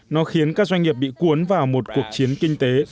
nó khiến các doanh nghiệp bị cuốn vào một cuộc chiến kinh tế